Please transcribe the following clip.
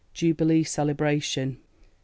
JUBILEE CELEBRATION. 1888.